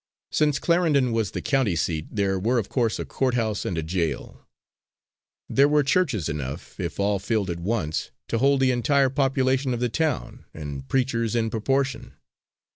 Since Clarendon was the county seat, there were of course a court house and a jail. There were churches enough, if all filled at once, to hold the entire population of the town, and preachers in proportion.